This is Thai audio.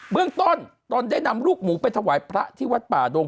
เรื่องต้นตนได้นำลูกหมูไปถวายพระที่วัดป่าดง